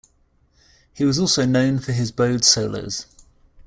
He was also known for his bowed solos.